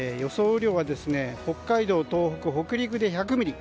雨量は北海道、東北北陸で１００ミリ。